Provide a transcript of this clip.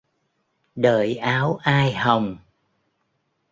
Đợi áo ai hồng